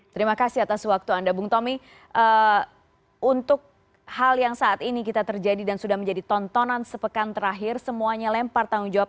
terima kasih atas waktu anda bung tommy untuk hal yang saat ini kita terjadi dan sudah menjadi tontonan sepekan terakhir semuanya lempar tanggung jawab